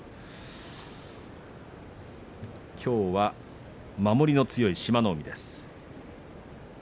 きょうは守りの強い志摩ノ海です。